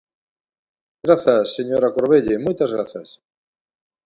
Grazas, señora Corvelle, moitas grazas.